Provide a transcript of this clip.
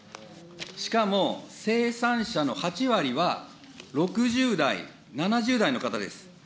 しかも生産者の８割は、６０代、７０代の方です。